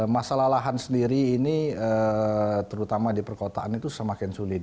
masalah lahan sendiri ini terutama di perkotaan itu semakin sulit